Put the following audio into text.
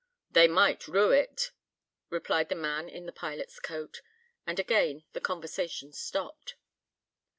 "They might rue it," replied the man in the pilot's coat; and again the conversation stopped.